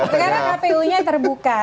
sekarang kpu nya terbuka